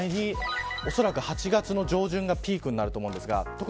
実際に、恐らく８月の上旬がピークになると思います。